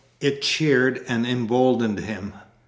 It cheered and emboldened him.